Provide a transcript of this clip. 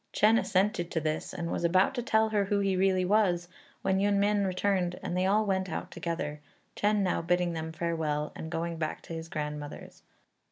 Chên assented to this, and was about to tell her who he really was, when Yün mien returned and they all went out together, Chên now bidding them farewell and going back to his grandmother's.